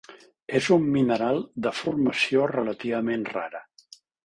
És un mineral de formació relativament rara.